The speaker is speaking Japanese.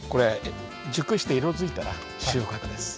熟して色づいたら収穫です。